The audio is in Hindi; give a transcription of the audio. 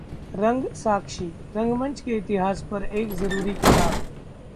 रंग साक्षी: रंगमंच के इतिहास पर एक जरूरी किताब